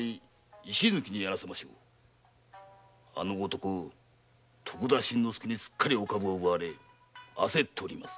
あの男徳田新之助にすっかりお株を奪われ焦っております。